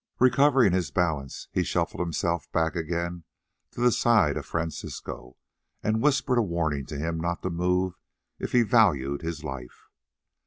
Recovering his balance, he shuffled himself back again to the side of Francisco, and whispered a warning to him not to move if he valued his life.